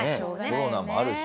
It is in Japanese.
コロナもあるし。